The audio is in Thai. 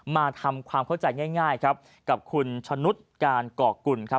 มาทำความเข้าใจง่ายกับคุณชนุดการเกาะกุ่นครับ